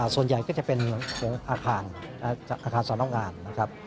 ส่วนใหญ่ก็จะเป็นของอาคารสำนักงานนะครับ